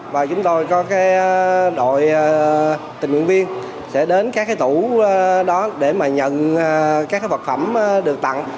và chúng tôi có cái đội tình nguyện viên sẽ đến các cái tủ đó để mà nhận các cái vật phẩm được tặng